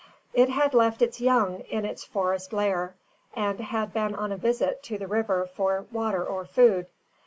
It had left its young in its forest lair, and had been on a visit to the river for water or food.